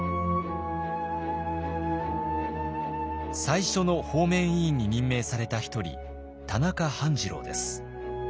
最初の方面委員に任命された一人田中半治郎です。